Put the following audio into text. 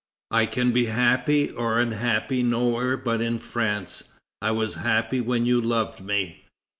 I can be happy or unhappy nowhere but in France. I was happy when you loved me."